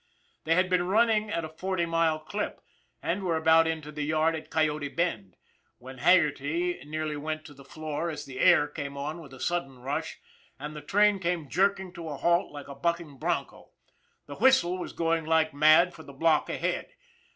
They had been running at a forty mile clip, and were about into the yard at Coyote Bend, when Haggerty nearly went to the floor as the " air " came on with a sudden rush, and the train came jerking to a halt like a bucking bronco. The whistle was going like mad for the block ahead.